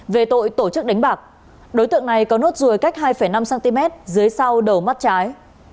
về tội tổ chức đánh bạc đối tượng này có nốt ruồi cách hai năm cm dưới sau đầu mắt trái